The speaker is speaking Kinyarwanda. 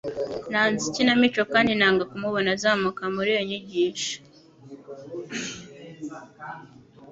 Nanze ikinamico, kandi nanga kumubona azamuka muri iyo nyigisho!